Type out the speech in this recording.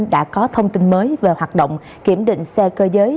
đã có thông tin mới về hoạt động kiểm định xe cơ giới